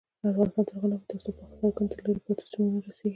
افغانستان تر هغو نه ابادیږي، ترڅو پاخه سړکونه تر لیرې پرتو سیمو ونه رسیږي.